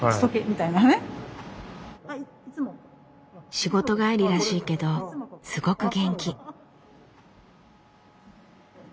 仕事帰りらしいけどすごく元気。